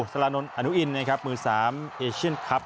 สลานนทอนุอินนะครับมือ๓เอเชียนคลับ